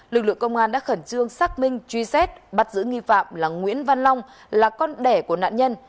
lực lượng công an đã khẩn trương xác minh truy xét bắt giữ nghi phạm là nguyễn văn long là con đẻ của nạn nhân